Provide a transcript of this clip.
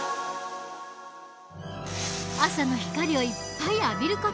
朝の光をいっぱい浴びる事。